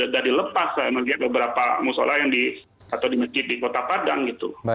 dari lepas saya melihat beberapa musola yang di atau di masjid di kota padang gitu